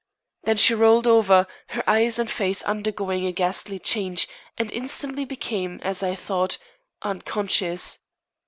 Then she rolled over, her eyes and face undergoing a ghastly change, and instantly became, as I thought, unconscious.